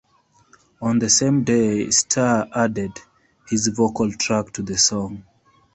On the same day, Starr added his vocal track to the song.